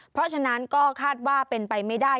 เพราะฉะนั้นก็คาดว่าเป็นไปไม่ได้